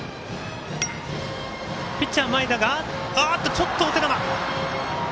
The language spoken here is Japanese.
ちょっとお手玉。